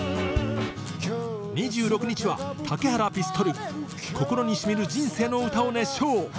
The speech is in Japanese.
２６日は竹原ピストル心にしみる人生の唄を熱唱！